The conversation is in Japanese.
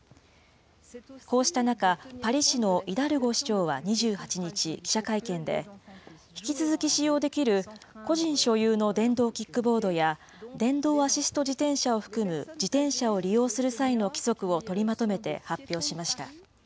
こうした中、パリ市のイダルゴ市長は２８日、記者会見で引き続き使用できる個人所有の電動キックボードや電動アシスト自転車を含む自転車を利用する際の規則を取りまとめて発表しました。